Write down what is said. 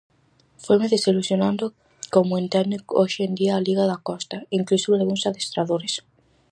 Foime desilusionando como entenden hoxe en día a liga da Costa, inclusive algúns adestradores.